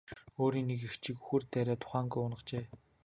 Өөр нэг эгчийг үхэр дайраад ухаангүй унагажээ.